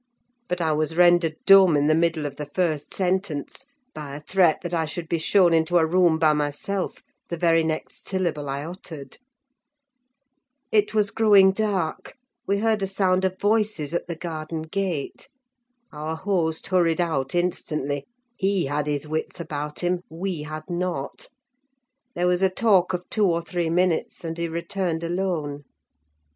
But I was rendered dumb in the middle of the first sentence, by a threat that I should be shown into a room by myself the very next syllable I uttered. It was growing dark—we heard a sound of voices at the garden gate. Our host hurried out instantly: he had his wits about him; we had not. There was a talk of two or three minutes, and he returned alone.